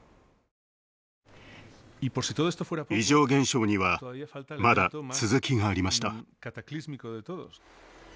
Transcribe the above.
異常現象にはまだ続きがありました。